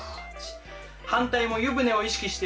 反対も湯船を意識して。